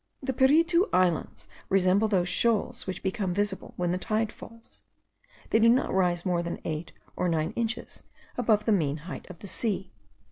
The Piritu Islands resemble those shoals which become visible when the tide falls. They do not rise more than eight or nine inches above the mean height of the sea.